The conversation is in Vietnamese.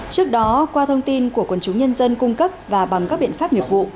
trước đó qua thông tin của quần chúng nhân dân cung cấp và bằng các biện pháp nghiệp vụ